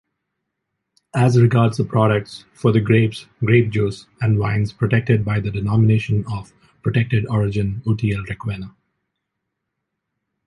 As regards the products, for the grapes, grape juice and wines protected by the Denomination of Protected Origin Utiel-Requena.